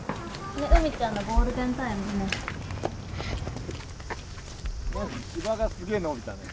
海ちゃんのゴールデンタイムね。